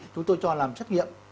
chúng tôi cho làm trách nghiệm